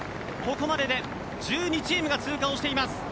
ここまでで１２チームが通過しています。